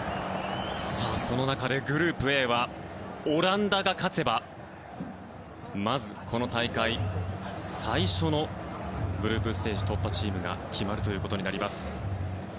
その中でグループＡはオランダが勝てばまず、この大会最初のグループステージの突破チームが決まることになります。